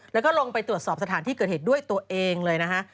แล้วก็ลงไปตรวจสอบสถานที่เกิดเหตุด้วยตัวเองเลยนะฮะ